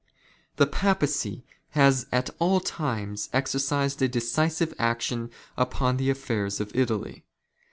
'' The Papacy has at all times exercised a decisive action " upon the affairs of Italy.